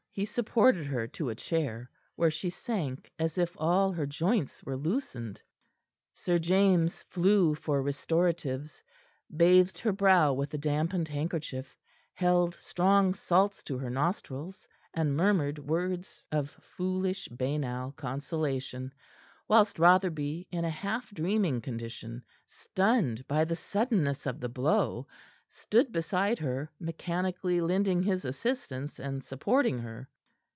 He supported her to a chair, where she sank as if all her joints were loosened. Sir James flew for restoratives; bathed her brow with a dampened handkerchief; held strong salts to her nostrils, and murmured words of foolish, banal consolation, whilst Rotherby, in a half dreaming condition, stunned by the suddenness of the blow, stood beside her, mechanically lending his assistance and supporting her.